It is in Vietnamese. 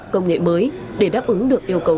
công nghệ mới để đáp ứng được yêu cầu